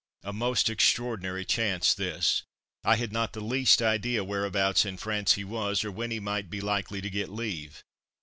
A most extraordinary chance this! I had not the least idea whereabouts in France he was, or when he might be likely to get leave.